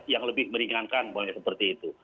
yang lebih meringankan seperti itu